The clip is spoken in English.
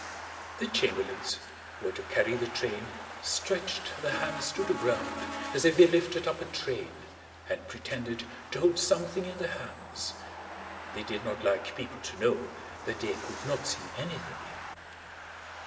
The chamberlains, who were to carry the train, stretched their hands to the ground as if they lifted up a train, and pretended to hold something in their hands; they did not like people to know that they could not see anything.